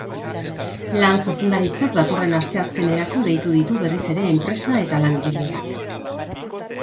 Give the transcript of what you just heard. Lan zuzendaritzak datorren asteazkenerako deitu ditu berriz ere enpresa eta langileak.